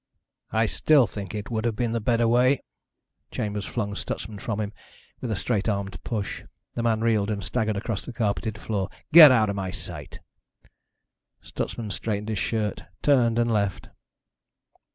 "I still think it would have been the better way." Chambers flung Stutsman from him with a straight armed push. The man reeled and staggered across the carpeted floor. "Get out of my sight!" Stutsman straightened his shirt, turned and left.